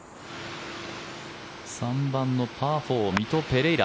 ３番のパー４ミト・ペレイラ。